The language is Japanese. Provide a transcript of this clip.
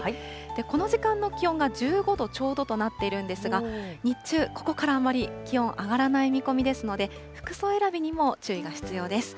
この時間の気温が１５度ちょうどとなっているんですが、日中、ここからあまり気温上がらない見込みですので、服装選びにも注意が必要です。